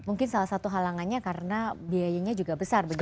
mungkin salah satu halangannya karena biayanya juga besar begitu